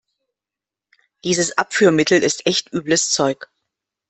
Dieses Abführmittel ist echt übles Zeug.